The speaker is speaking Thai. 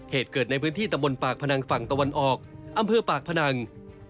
เหตุเกิดในพื้นที่ตะบนปากพนังฝั่งตะวันออกอำเภอปากพนัง